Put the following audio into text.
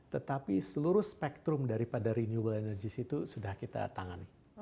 tetapi seluruh spektrum daripada renewable energy itu sudah kita tangani